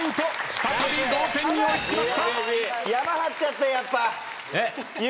再び同点に追いつきました。